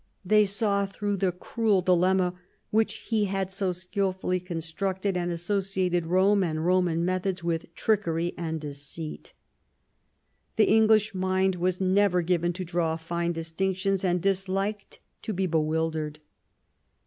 They saw through the cruel dilemma, which he had so skil fully constructed, and associated Rome and Roman methods with trickery and deceit. The English mind was never given to draw fine distinctions and disliked to be bewildered.